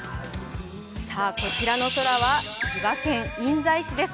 こちらの空は千葉県印西市です。